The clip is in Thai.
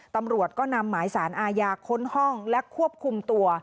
ตำรวจก็นำหมายสารอาญาค้นห้องและควบคุมตัว